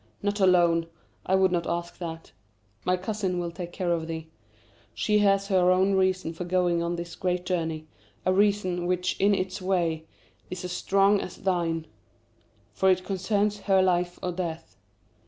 Not alone I would not ask that. My cousin will take care of thee. She has her own reason for going on this great journey, a reason which in its way is as strong as thine, for it concerns her life or death.